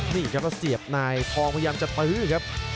นี่ครับแล้วเสียบนายทองพยายามจะตื้อครับ